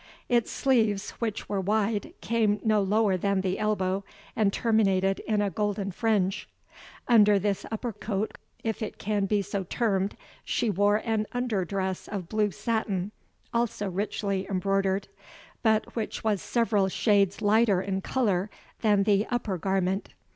Its sleeves, which were wide, came no lower than the elbow, and terminated in a golden fringe; under this upper coat, if it can be so termed, she wore an under dress of blue satin, also richly embroidered, but which was several shades lighter in colour than the upper garment.